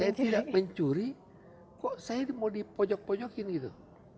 saya tidak mencuri kok saya mau dipojok pojokin gitu